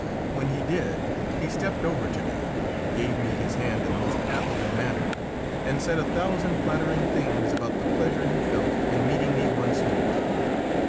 When he did, he stepped over to me, gave me his hand in the most affable manner, and said a thousand flattering things about the pleasure he felt in meeting me once more.